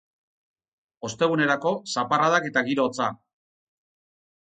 Ostegunerako, zaparradak eta giro hotza.